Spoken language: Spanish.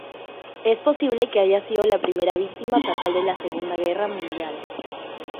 Es posible que haya sido la primera víctima fatal de la Segunda Guerra Mundial.